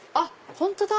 本当だ！